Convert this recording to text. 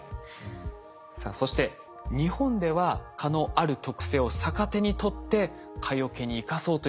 さあそして日本では蚊のある特性を逆手にとって蚊よけに生かそうという研究が進んでいるんです。